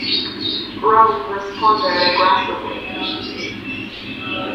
Rome responded aggressively.